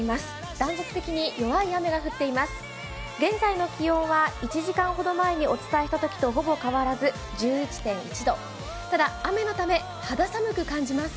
断続的に弱い雨が降っています。